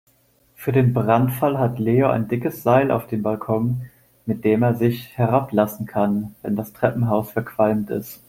Für den Brandfall hat Leo ein dickes Seil auf dem Balkon, mit dem er sich herablassen kann, wenn das Treppenhaus verqualmt ist.